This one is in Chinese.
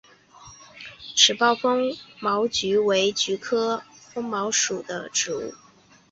齿苞风毛菊为菊科风毛菊属的植物。